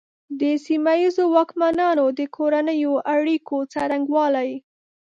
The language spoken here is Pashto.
د سیمه ییزو واکمنانو د کورنیو اړیکو څرنګوالي.